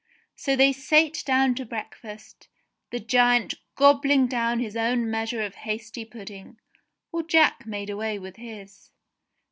So they sate down to breakfast, the giant gobbling down his own measure of hasty pudding, while Jack made away with his.